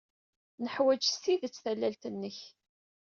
Neḥwaj s tidet tallalt-nnek.